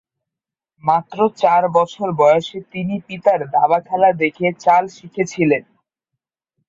মাত্র চার বছর বয়সে তিনি পিতার দাবা খেলা দেখে চাল শিখেছিলেন।